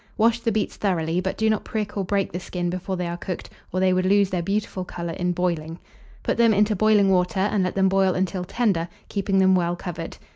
Wash the beets thoroughly; but do not prick or break the skin before they are cooked, or they would lose their beautiful colour in boiling. Put them into boiling water, and let them boil until tender, keeping them well covered.